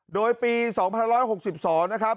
โดยปี๒๑๖๒นะครับ